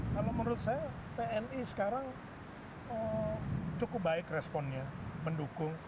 kalau menurut saya tni sekarang cukup baik responnya mendukung